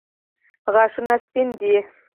غاښونه سپین دي.